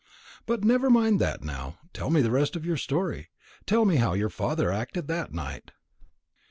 But never mind that now; tell me the rest of your story; tell me how your father acted that night."